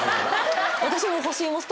私も。